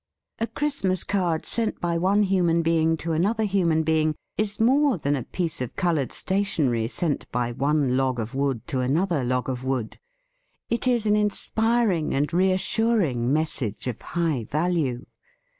A Christmas card sent by one human being to another human being is more than a piece of coloured stationery sent by one log of wood to another log of wood: it is an inspiring and reassuring message of high value.